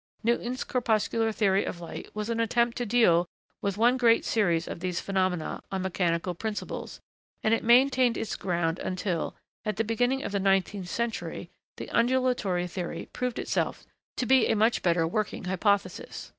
Newton's corpuscular theory of light was an attempt to deal with one great series of these phenomena on mechanical principles, and it maintained its ground until, at the beginning of the nineteenth century, the undulatory theory proved itself to be a much better working hypothesis.